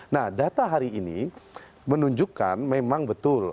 nah data hari ini menunjukkan memang betul